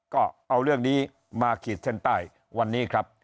ก็เอาเรื่องนี้มาขีดเส้นใต้วันนี้ครับ